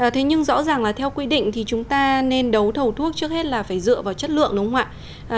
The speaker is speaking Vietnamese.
thế nhưng rõ ràng là theo quy định thì chúng ta nên đấu thầu thuốc trước hết là phải dựa vào chất lượng đúng không ạ